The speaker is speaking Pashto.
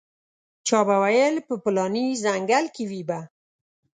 چا به ویل په پلاني ځنګل کې وي به.